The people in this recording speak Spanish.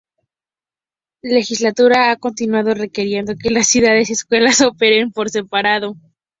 La legislatura ha continuado requiriendo que las ciudades y escuelas operen por separado.